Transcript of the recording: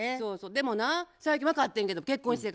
でもな最近分かってんけど結婚してから。